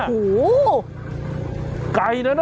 จัดกระบวนพร้อมกัน